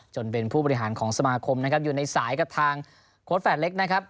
จนเป็นผู้บริหารของสมาคมนะครับอยู่ในสายกับทางโค้ดแฝดเล็กนะครับ